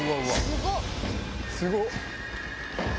すごっ！